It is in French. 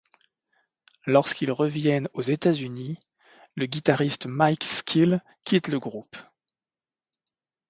Lorsqu’ils reviennent aux États-Unis, le guitariste Mike Skill quitte le groupe.